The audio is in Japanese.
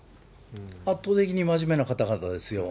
圧倒的に真面目な方々ですよ。